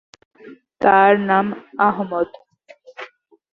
তাঁর নাম আহমদ।